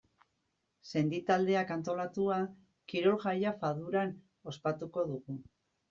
Sendi taldeak antolatua, kirol-jaia Faduran ospatuko dugu.